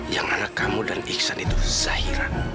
yang anak kamu dan iksan itu zahira